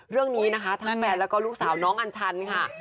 เรื่องนี้นะคะทั้งแฟนแล้วก็ลูกสาวน้องอัญชันค่ะ